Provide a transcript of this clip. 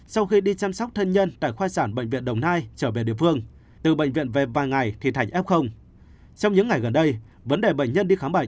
xin chào và hẹn gặp lại